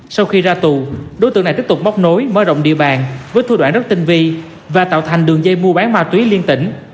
sau khi ra tù đối tượng này tiếp tục móc nối mở rộng địa bàn với thu đoạn rất tinh vi và tạo thành đường dây mua bán ma túy liên tỉnh